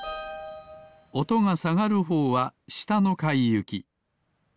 おとがさがるほうはしたのかいゆき。